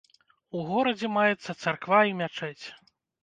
У горадзе маецца царква і мячэць.